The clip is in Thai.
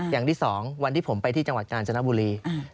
อย่างที่๒วันที่ผมไปที่จังหวัดกาญจนบุรี